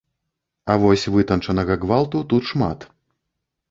А вось вытанчанага гвалту тут шмат.